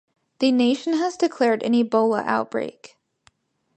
The nation has declared an Ebola outbreak.